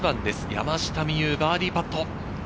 山下美夢有、バーディーパット。